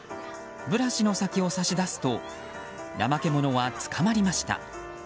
ブラシの先を差し出すとナマケモノはつかまりました。